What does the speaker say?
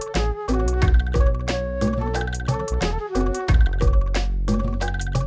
tunggu untuk bingung